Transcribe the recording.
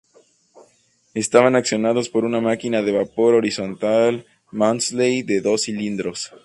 Estaban accionados por una máquina de vapor horizontal Maudslay de dos cilindros.